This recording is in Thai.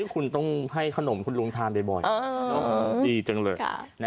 คุณต้องให้ขนมคุณลุงทานบ่อยดีจังเลย